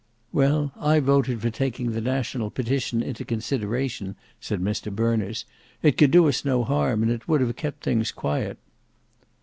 "Well, I voted for taking the National Petition into consideration," said Mr Berners. "It could do us no harm, and would have kept things quiet."